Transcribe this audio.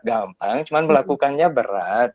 gampang cuman melakukannya berat